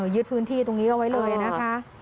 ยึดพื้นที่ตรงนี้เอาไว้เลยนะคะ